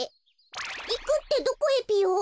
いくってどこへぴよ？